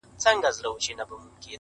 • پرې را تاو یې کړه د ناز لاسونه دواړه-